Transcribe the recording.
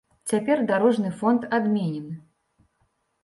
Цяпер дарожны фонд адменены.